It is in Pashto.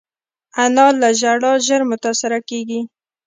انا له ژړا ژر متاثره کېږي